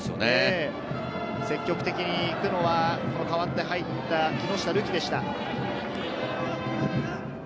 積極的に行くのは代わって入った木下瑠己でした。